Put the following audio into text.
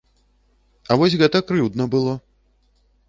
А вось гэта крыўдна было!